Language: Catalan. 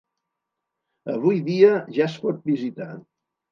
Avui dia ja es pot visitar.